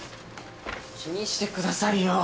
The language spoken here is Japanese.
気にしてくださいよ。